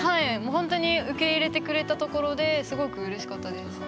ほんとに受け入れてくれたところですごくうれしかったです。